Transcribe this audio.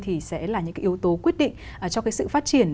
thì sẽ là những cái yếu tố quyết định cho cái sự phát triển